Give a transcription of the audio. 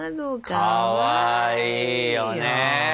かわいいよね。